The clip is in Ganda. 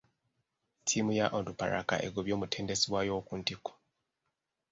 Ttiimu ya Onduparaka egobye omutendesi waayo owokuntikko.